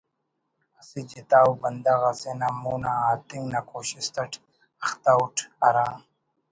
اسہ جتا ءُ بندغ اسے نا مون آ اتنگ نا کوشست اٹ اختہ اُٹ ہرا